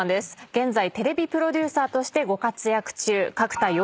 現在テレビプロデューサーとしてご活躍中角田陽一郎さんです。